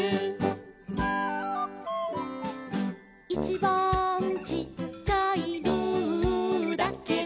「いちばんちっちゃい」「ルーだけど」